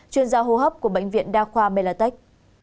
chuyên gia hô hấp của bệnh viện đa khoa melatech